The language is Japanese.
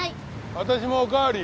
私もおかわり。